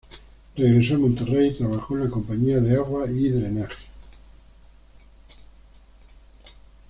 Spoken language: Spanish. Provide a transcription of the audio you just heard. Regresó a Monterrey y trabajó en la compañía de agua y drenaje.